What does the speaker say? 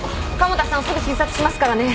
鴨田さんすぐ診察しますからね。